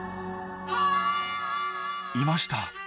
いました。